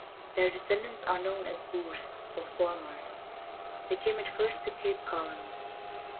Their de scendants are known as Boers, or farmers. They came at first to Cape Colony.